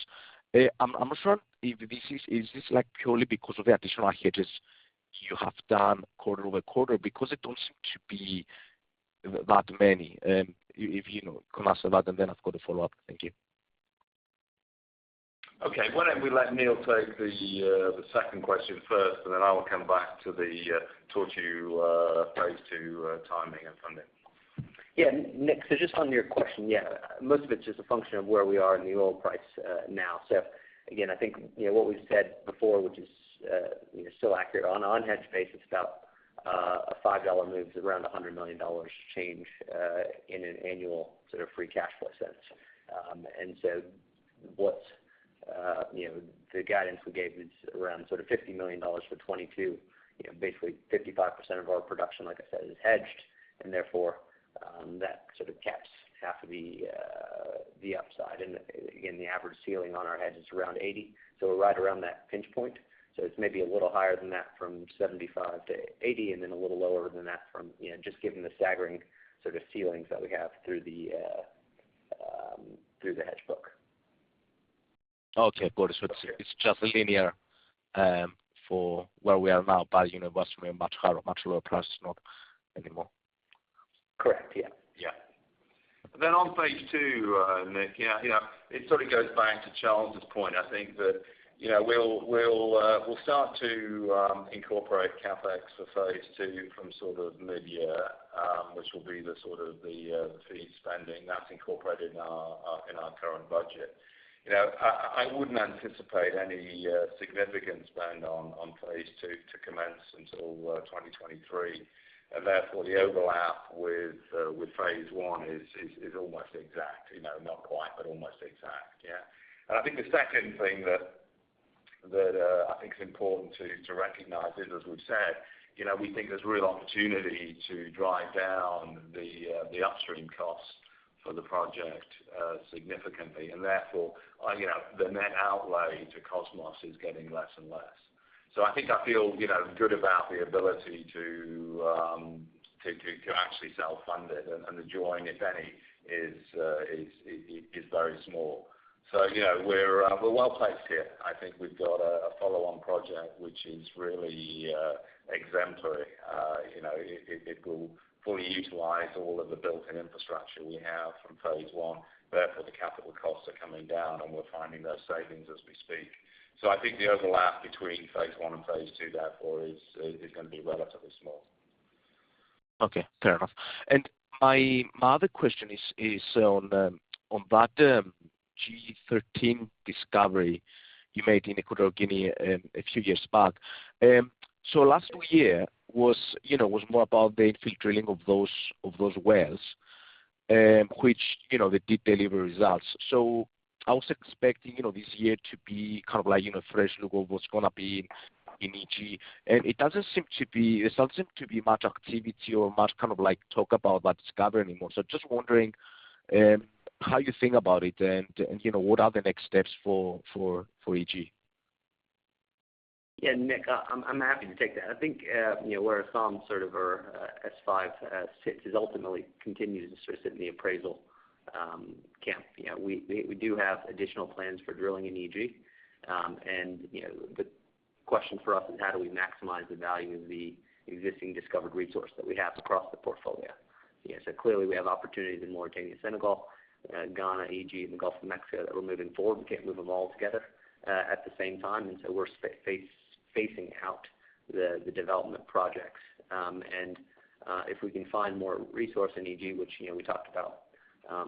I'm not sure if this is like purely because of the additional hedges you have done quarter-over-quarter? Because it don't seem to be that many. You know, can I ask about that, and then I've got a follow-up. Thank you. Okay. Why don't we let Neal take the second question first, and then I will come back to the Tortue phase two timing and funding. Nick, just on your question, most of it's just a function of where we are in the oil price now. Again, I think, you know, what we've said before, which is, you know, still accurate. On hedge basis, about a $5 move is around a $100 million change in an annual sort of free cash flow sense. And so what, you know, the guidance we gave is around sort of $50 million for 2022. You know, basically 55% of our production, like I said, is hedged, and therefore, that sort of caps half of the upside. Again, the average ceiling on our hedge is around $80 million, so we're right around that pinch point. It's maybe a little higher than that from $75 million-$80 million, and then a little lower than that, you know, just given the staggering sort of ceilings that we have through the hedge book. Okay, got it. It's just linear for where we are now, but you know, once we are much higher or much lower price, it's not anymore. Correct. Yeah. Yeah. On phase two, Nick, yeah, you know, it sort of goes back to Charles' point. I think that, you know, we'll start to incorporate CapEx for phase two from sort of mid-year, which will be the sort of the FEED spending. That's incorporated in our current budget. You know, I wouldn't anticipate any significant spend on phase two to commence until 2023. Therefore, the overlap with phase one is almost exact, you know, not quite, but almost exact. Yeah. I think the second thing that I think is important to recognize is, as we've said, you know, we think there's real opportunity to drive down the upstream costs for the project, significantly. Therefore, you know, the net outlay to Kosmos is getting less and less. I think I feel, you know, good about the ability to actually self-fund it. The joint, if any, is very small. You know, we're well placed here. I think we've got a follow-on project, which is really exemplary. You know, it will fully utilize all of the built-in infrastructure we have from phase one. Therefore, the capital costs are coming down, and we're finding those savings as we speak. I think the overlap between phase one and phase two, therefore, is gonna be relatively small. Okay, fair enough. My other question is on that G-13 discovery you made in Equatorial Guinea a few years back. Last year was, you know, more about the infill drilling of those wells, which, you know, they did deliver results. I was expecting, you know, this year to be kind of like, you know, fresh look of what's gonna be in EG. It doesn't seem to be, there doesn't seem to be much activity or much kind of like talk about that discovery anymore. Just wondering how you think about it and, you know, what are the next steps for EG? Yeah, Nick, I'm happy to take that. I think you know where some sort of our S-5, S-6 ultimately continues to sort of sit in the appraisal camp. You know, we do have additional plans for drilling in EG. The question for us is how do we maximize the value of the existing discovered resource that we have across the portfolio? You know, clearly we have opportunities in Mauritania, Senegal, Ghana, EG, and the Gulf of Mexico that we're moving forward. We can't move them all together at the same time, and we're spacing out the development projects. If we can find more resource in EG, which, you know, we talked about,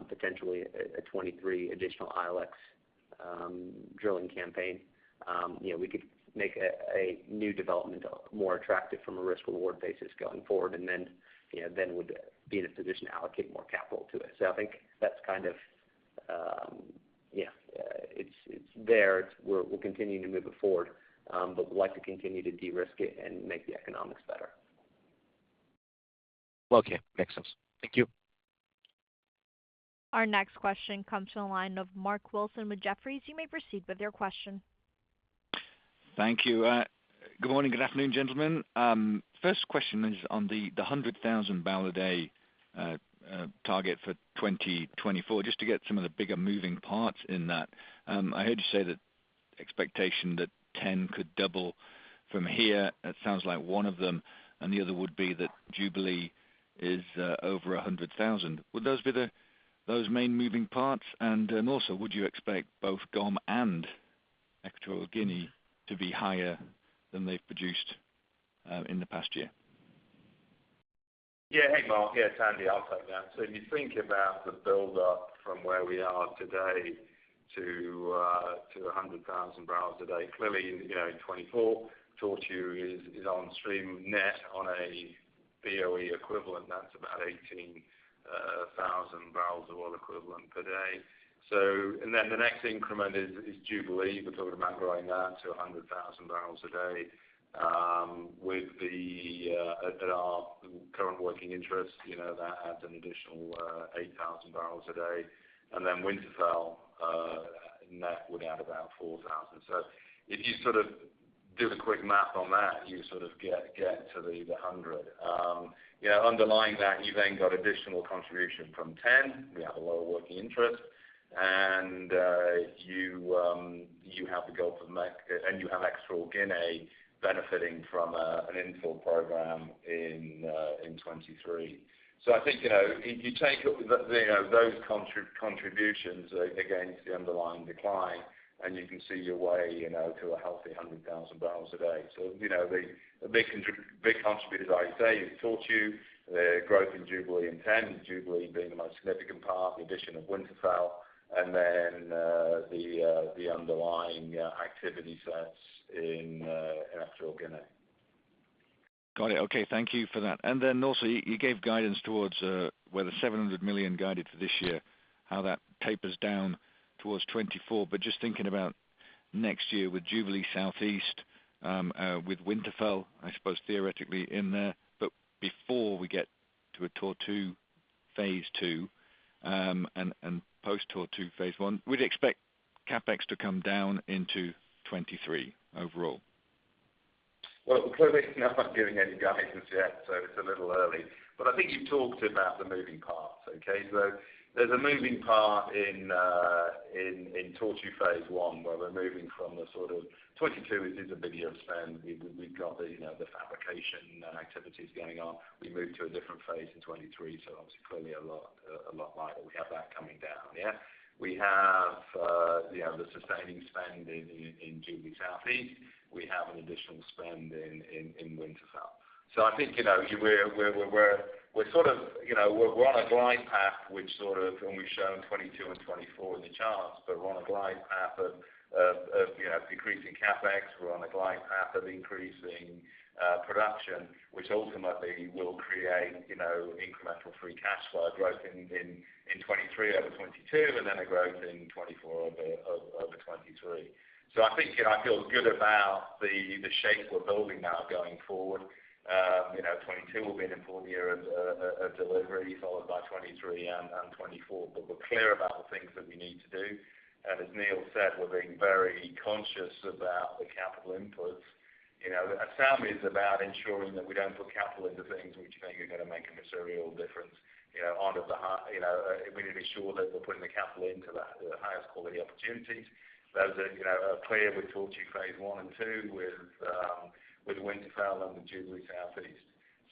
potentially a 23 additional ILX drilling campaign, you know, we could make a new development more attractive from a risk-reward basis going forward. Then, you know, then would be in a position to allocate more capital to it. I think that's kind of, yeah, it's there. We're continuing to move it forward. We'd like to continue to de-risk it and make the economics better. Okay. Makes sense. Thank you. Our next question comes from the line of Mark Wilson with Jefferies. You may proceed with your question. Thank you. Good morning, good afternoon, gentlemen. First question is on the 100,000 bbl a day target for 2024, just to get some of the bigger moving parts in that. I heard you say that expectation that TEN could double from here. It sounds like one of them and the other would be that Jubilee is over 100,000. Would those be the main moving parts? Would you expect both GOM and Equatorial Guinea to be higher than they've produced in the past year? Hey, Mark. It's Andy. I'll take that. If you think about the buildup from where we are today to 100,000 bbl a day, clearly, you know, in 2024, Tortue is on stream net on a BOE equivalent. That's about 18,000 bbl of oil equivalent per day. The next increment is Jubilee. We're talking about growing that to 100,000 bbl a day at our current working interest, you know, that adds an additional 8,000 bbl a day. Winterfell net would add about 4,000. If you sort of do the quick math on that, you sort of get to the 100. You know, underlying that, you've got additional contribution from TEN. We have a lower working interest. You have the Gulf of Mexico and you have Equatorial Guinea benefiting from an infill program in 2023. I think, you know, if you take, you know, those contributions against the underlying decline, and you can see your way, you know, to a healthy 100,000 bbl a day. You know, the big contributors, as I say, is Tortue, the growth in Jubilee and Ten, Jubilee being the most significant part, the addition of Winterfell, and then the underlying activity sets in Equatorial Guinea. Got it. Okay. Thank you for that. Also you gave guidance towards where the $700 million guided for this year, how that tapers down towards 2024. Just thinking about next year with Jubilee Southeast, with Winterfell, I suppose theoretically in there, but before we get to a Tortue phase two, and post-Tortue phase one, we'd expect CapEx to come down into 2023 overall. Well, clearly, I'm not giving any guidance yet, so it's a little early. I think you've talked about the moving parts, okay? There's a moving part in Tortue phase one, where we're moving from a sort of 2022 is a bigger spend. We've got the, you know, the fabrication activities going on. We move to a different phase in 2023, so obviously clearly a lot lighter. We have that coming down. Yeah. We have, you know, the sustaining spend in Jubilee Southeast. We have an additional spend in Winterfell. I think, you know, we're sort of, you know, we're on a glide path, which sort of when we've shown 2022 and 2024 in the charts. We're on a glide path of, you know, decreasing CapEx. We're on a glide path of increasing production, which ultimately will create, you know, incremental free cash flow growth in 2023 over 2022, and then a growth in 2024 over 2023. I think, you know, I feel good about the shape we're building now going forward. You know, 2022 will be an important year of delivery, followed by 2023 and 2024. We're clear about the things that we need to do. As Neal said, we're being very conscious about the capital inputs. You know, our philosophy is about ensuring that we don't put capital into things which then won't make a material difference, you know, we need to be sure that we're putting the capital into the highest quality opportunities. Those are, you know, clear. We talked to you phase one and two with Winterfell and the Jubilee Southeast.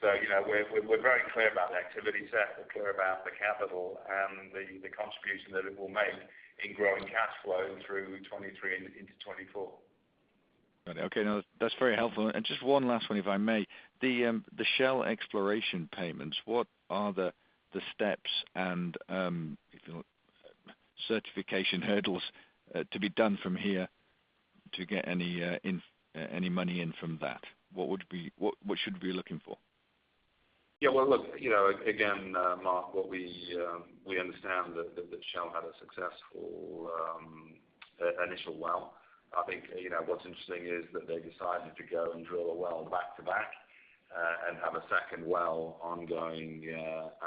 You know, we're very clear about the activity set. We're clear about the capital and the contribution that it will make in growing cash flow through 2023 and into 2024. Okay. Now that's very helpful. Just one last one, if I may. The Shell exploration payments, what are the steps and if you want certification hurdles to be done from here to get any money in from that? What should we be looking for? Yeah, well, look, you know, again, Mark, what we understand that Shell had a successful initial well. I think, you know, what's interesting is that they decided to go and drill a well back to back and have a second well ongoing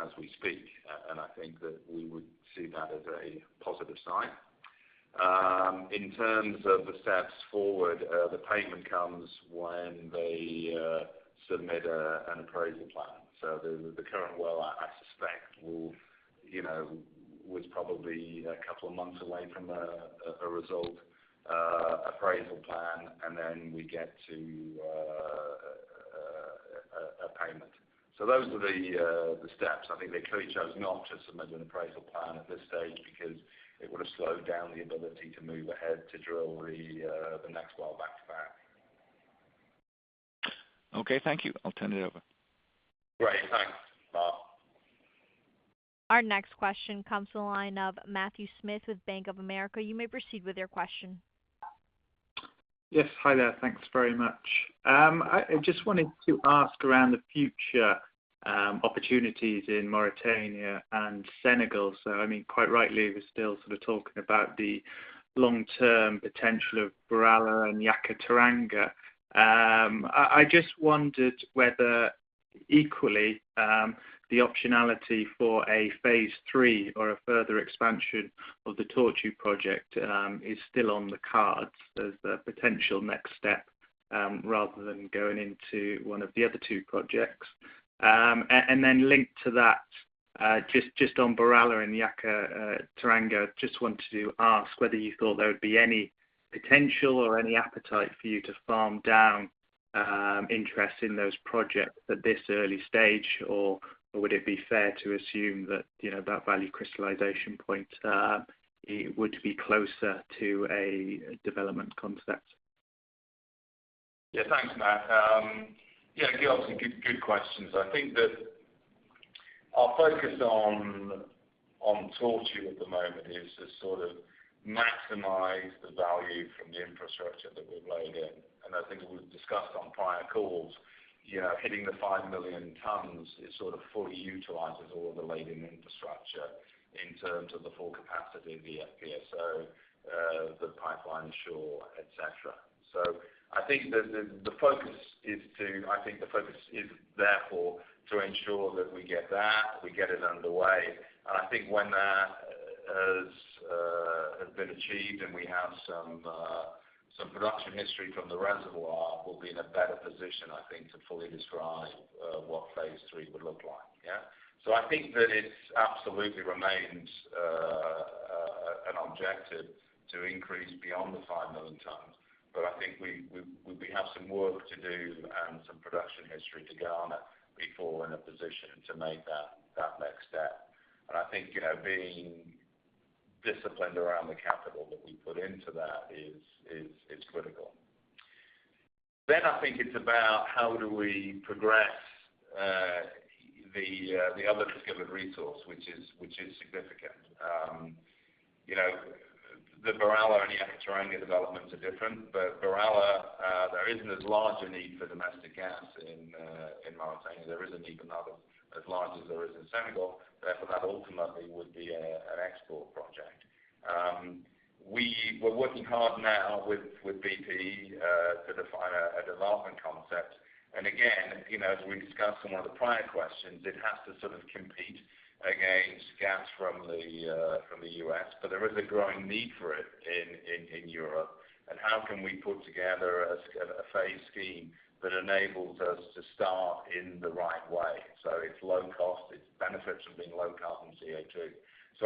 as we speak. I think that we would see that as a positive sign. In terms of the steps forward, the payment comes when they submit an appraisal plan. The current well, I suspect will, you know, was probably a couple of months away from a result appraisal plan, and then we get to a payment. Those are the steps. I think they clearly chose not to submit an appraisal plan at this stage because it would've slowed down the ability to move ahead to drill the next well back to back. Okay. Thank you. I'll turn it over. Great. Thanks, Mark. Our next question comes to the line of Matthew Smith with Bank of America. You may proceed with your question. Yes. Hi there. Thanks very much. I just wanted to ask about the future opportunities in Mauritania and Senegal. I mean, quite rightly, we're still sort of talking about the long-term potential of BirAllah and Yakaar-Teranga. I just wondered whether equally the optionality for a phase three or a further expansion of the Tortue project is still on the cards as the potential next step rather than going into one of the other two projects. Linked to that, just on BirAllah and Yakaar-Teranga, just wanted to ask whether you thought there would be any potential or any appetite for you to farm down interest in those projects at this early stage, or would it be fair to assume that, you know, that value crystallization point it would be closer to a development concept? Yeah. Thanks, Matt. Yeah, obviously good questions. I think that our focus on Tortue at the moment is to sort of maximize the value from the infrastructure that we've laid in. I think we've discussed on prior calls, you know, hitting the 5 million tons, it sort of fully utilizes all of the laid in infrastructure in terms of the full capacity of the FPSO, the pipeline shore, et cetera. I think the focus is therefore to ensure that we get that, we get it underway. I think when that has been achieved and we have some production history from the reservoir, we'll be in a better position, I think, to fully describe what phase three would look like. Yeah. I think that it absolutely remains an objective to increase beyond the 5 million tons. I think we have some work to do and some production history to garner before we're in a position to make that next step. I think, you know, being disciplined around the capital that we put into that is critical. Then I think it's about how do we progress the other discovered resource, which is significant. You know, the BirAllah and Yakaar-Teranga developments are different, but BirAllah, there isn't as large a need for domestic gas in Mauritania. There isn't even another as large as there is in Senegal. Therefore, that ultimately would be an export project. We were working hard now with BP to define a development concept. Again, you know, as we discussed in one of the prior questions, it has to sort of compete against gas from the from the U.S. but there is a growing need for it in Europe. How can we put together a phase scheme that enables us to start in the right way? It's low cost, it's benefits from being low carbon CO2.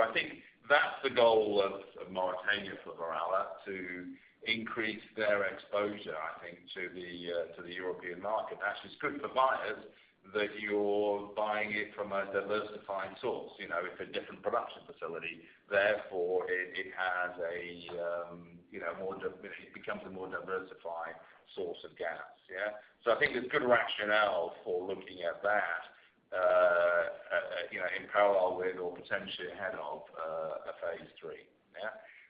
I think that's the goal of Mauritania for BirAllah to increase their exposure, I think, to the to the European market. Actually, it's good for buyers that you're buying it from a diversifying source, you know, it's a different production facility, therefore it has a, you know, it becomes a more diversifying source of gas. Yeah. I think there's good rationale for looking at that, you know, in parallel with or potentially ahead of a phase three.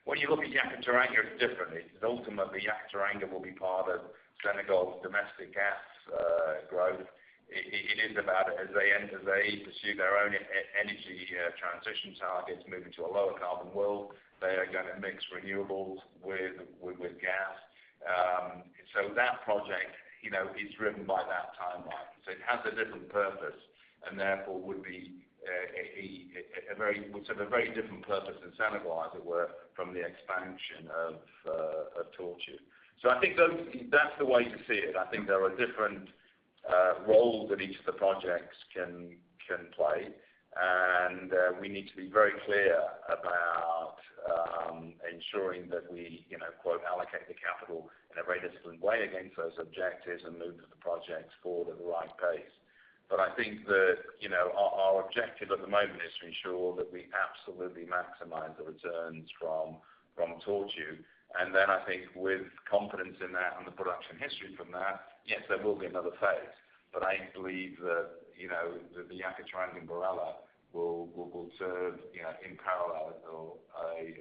When you look at Yakaar-Teranga, it's different. It's ultimately Yakaar-Teranga will be part of Senegal's domestic gas growth. It is about as they enter, they pursue their own energy transition targets, moving to a lower carbon world. They are gonna mix renewables with gas. That project, you know, is driven by that timeline. It has a different purpose. Therefore would serve a very different purpose in Senegal, as it were, from the expansion of Tortue. I think that's the way to see it. I think there are different roles that each of the projects can play. We need to be very clear about ensuring that we, you know, quote, "allocate the capital" in a very disciplined way against those objectives and move the projects forward at the right pace. I think that, you know, our objective at the moment is to ensure that we absolutely maximize the returns from Tortue. I think with confidence in that and the production history from that, yes, there will be another phase. I believe that, you know, that the Yakaar-Teranga and BirAllah will serve, you know, in parallel or a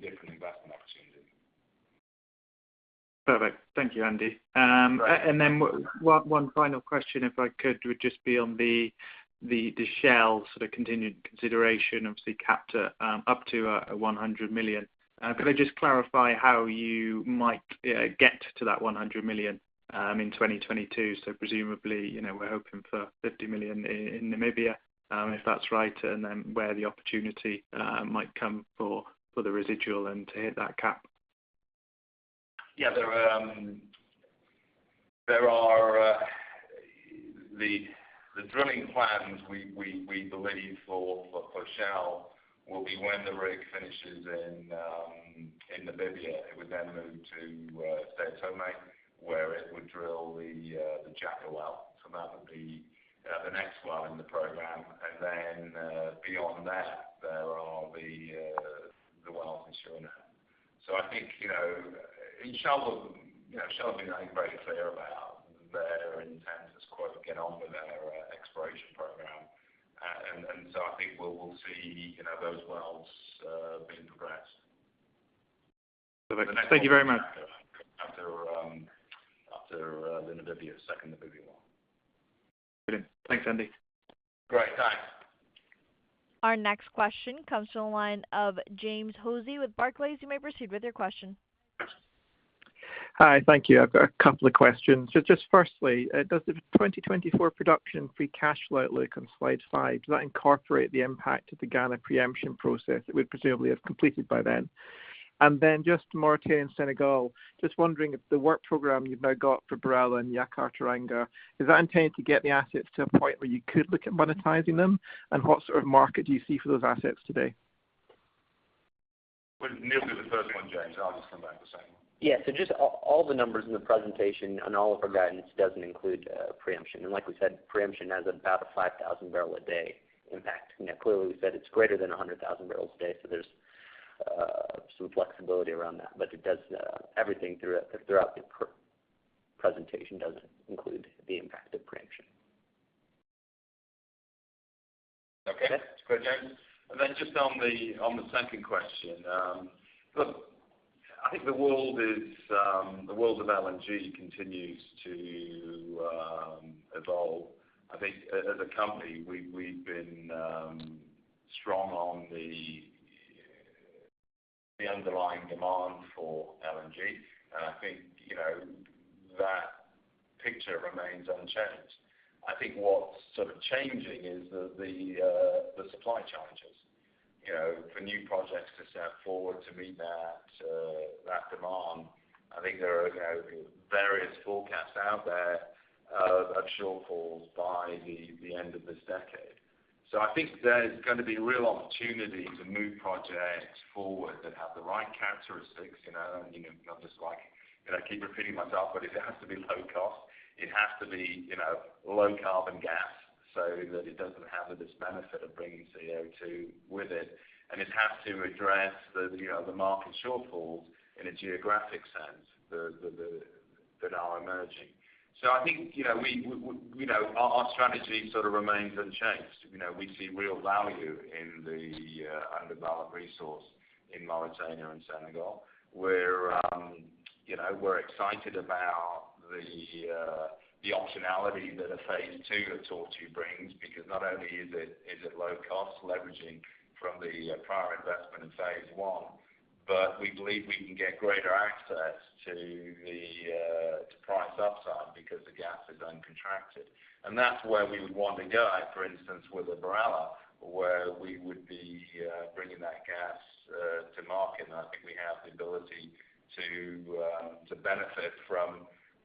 different investment opportunity. Perfect. Thank you, Andy. One final question, if I could, would just be on the Shell contingent consideration, obviously capped at up to $100 million. Could I just clarify how you might get to that $100 million in 2022? Presumably, you know, we're hoping for $50 million in Namibia, if that's right, and then where the opportunity might come for the residual and to hit that cap. Yeah. There are the drilling plans we believe for Shell will be when the rig finishes in Namibia. It would then move to São Tomé, where it would drill the Jaca well. That would be the next well in the program. Beyond that, there are the wells in Suriname. I think, you know, and Shell, you know, Shell have been, I think, very clear about their intent to quote, "get on with their exploration program." And so I think we'll see, you know, those wells being progressed. Perfect. Thank you very much. After the second Namibia well. Brilliant. Thanks, Andy. Great. Thanks. Our next question comes from the line of James Hosie with Barclays. You may proceed with your question. Hi. Thank you. I've got a couple of questions. Just firstly, does the 2024 production free cash flow outlook on slide five, does that incorporate the impact of the Ghana preemption process? It would presumably have completed by then. Then just Mauritania and Senegal, just wondering if the work program you've now got for BirAllah and Yakaar-Teranga, is that intended to get the assets to a point where you could look at monetizing them? And what sort of market do you see for those assets today? Well, Neal, do the first one, James. I'll just come back to the second. Just all the numbers in the presentation and all of our guidance doesn't include preemption. Like we said, preemption has about a 5,000 bbl a day impact. You know, clearly we said it's greater than 100,000 bbl a day, so there's some flexibility around that. It does everything throughout the presentation doesn't include the impact of preemption. Okay. Great, James. Then just on the second question. Look, I think the world of LNG continues to evolve. I think as a company, we've been strong on the underlying demand for LNG. I think, you know, that picture remains unchanged. I think what's sort of changing is the supply challenges. You know, for new projects to step forward to meet that demand. I think there are, you know, various forecasts out there of shortfalls by the end of this decade. I think there's gonna be real opportunity to move projects forward that have the right characteristics, you know. You know, I keep repeating myself, but it has to be low cost. It has to be, you know, low carbon gas so that it doesn't have the disbenefit of bringing CO2 with it. It has to address the, you know, the market shortfalls in a geographic sense, that are emerging. I think, you know, we, you know, our strategy sort of remains unchanged. You know, we see real value in the undeveloped resource in Mauritania and Senegal. We're, you know, we're excited about the optionality that a phase two of Tortue brings, because not only is it low cost, leveraging from the prior investment in phase one, but we believe we can get greater access to the to price upside because the gas is uncontracted. That's where we would want to go, for instance, with BirAllah, where we would be bringing that gas to market. I think we have the ability to benefit from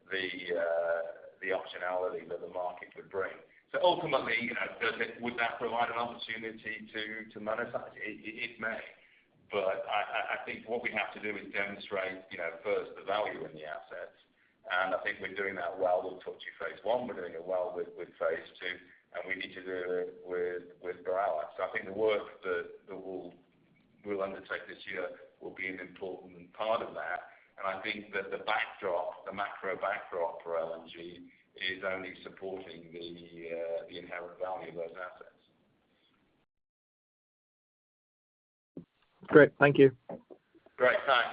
the optionality that the market would bring. Ultimately, you know, would that provide an opportunity to monetize? It may. I think what we have to do is demonstrate, you know, first the value in the assets. I think we're doing that well with Tortue phase one. We're doing it well with phase two. We need to do it with BirAllah. I think the work that we'll undertake this year will be an important part of that. I think that the backdrop, the macro backdrop for LNG is only supporting the inherent value of those assets. Great. Thank you. Great. Thanks.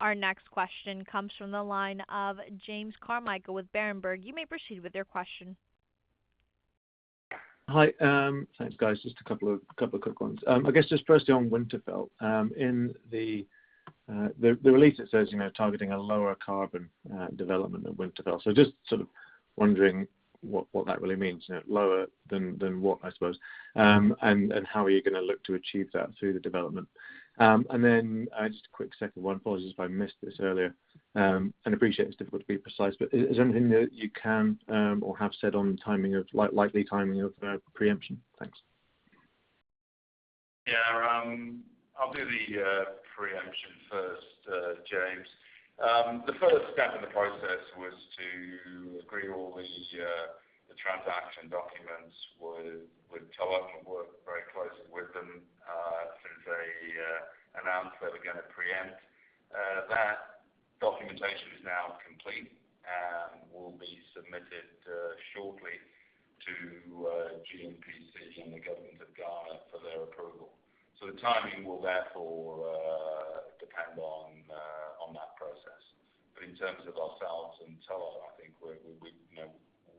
Our next question comes from the line of James Carmichael with Berenberg. You may proceed with your question. Hi, thanks guys. Just a couple of quick ones. I guess just firstly on Winterfell. In the release it says, you know, targeting a lower carbon development at Winterfell. Just sort of wondering what that really means. You know, lower than what, I suppose. And how are you gonna look to achieve that through the development? And then just a quick second one. Apologies if I missed this earlier. And appreciate it's difficult to be precise, but is there anything that you can or have said on timing of like likely timing of preemption? Thanks. Yeah. I'll do the preemption first, James. The first step in the process was to agree all the transaction documents with Tullow. Worked very closely with them since they announced they were gonna preempt. That documentation is now complete and will be submitted shortly to GNPC and the government of Ghana for their approval. The timing will therefore depend on that process. In terms of ourselves and Tullow, I think we're, you know,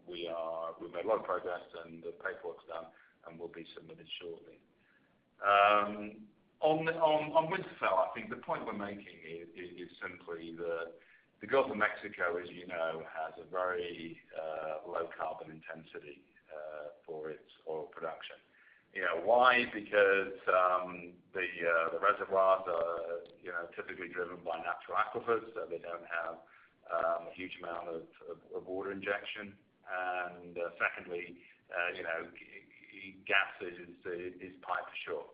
we've made a lot of progress and the paperwork's done and will be submitted shortly. On Winterfell, I think the point we're making is simply that the Gulf of Mexico, as you know, has a very low carbon intensity for its oil production. You know why? Because the reservoirs are, you know, typically driven by natural aquifers, so they don't have a huge amount of water injection. Secondly, you know, gas is piped ashore.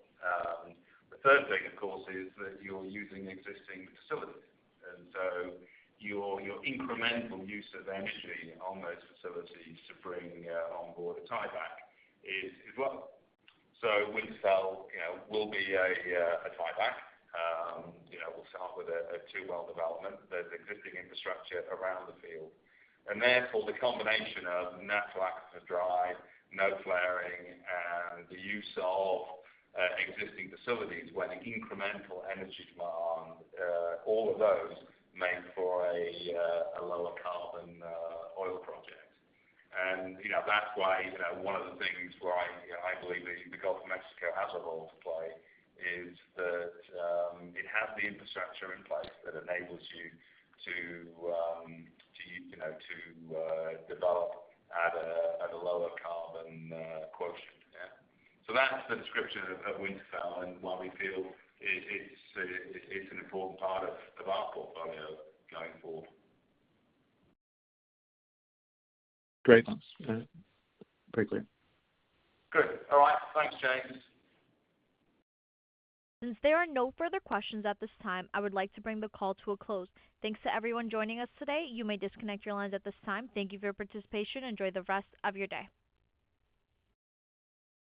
The third thing of course is that you're using existing facilities. Your incremental use of energy on those facilities to bring onboard a tieback is low. Winterfell, you know, will be a tieback. You know, we'll start with a two-well development. There's existing infrastructure around the field. Therefore, the combination of natural aquifer drive, no flaring and the use of existing facilities where the incremental energy demand all of those make for a lower carbon oil project. You know, that's why, you know, one of the things where I believe the Gulf of Mexico has a role to play is that it has the infrastructure in place that enables you to you know, to develop at a lower carbon quotient, yeah. That's the description of Winterfell and why we feel it's an important part of our portfolio going forward. Great. That's very clear. Good. All right. Thanks, James. Since there are no further questions at this time, I would like to bring the call to a close. Thanks to everyone joining us today. You may disconnect your lines at this time. Thank you for your participation. Enjoy the rest of your day.